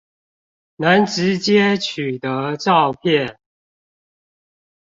能直接取得照片